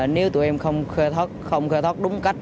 nếu tụi em không khơi thoát đúng cách